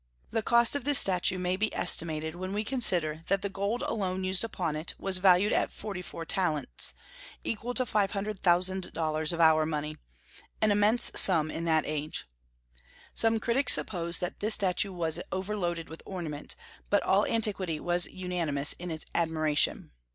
The cost of this statue may be estimated when we consider that the gold alone used upon it was valued at forty four talents, equal to five hundred thousand dollars of our money, an immense sum in that age. Some critics suppose that this statue was overloaded with ornament, but all antiquity was unanimous in its admiration.